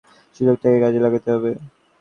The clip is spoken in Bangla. সুযোগটাকে কাজে লাগাতে হবে।